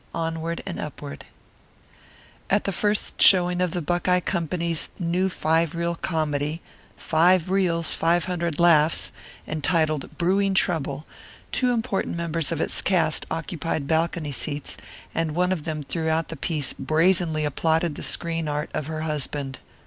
ONWARD AND UPWARD At the first showing of the Buckeye company's new five reel comedy Five Reels 500 Laughs entitled Brewing Trouble, two important members of its cast occupied balcony seats and one of them throughout the piece brazenly applauded the screen art of her husband.